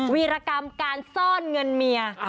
วีรกรรมการซ่อนเงินเมีย